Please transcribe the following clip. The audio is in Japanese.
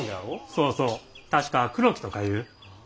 そうそう確か黒木とかいう。